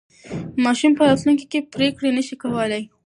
ماشوم په راتلونکي کې پرېکړې نه شي کولای.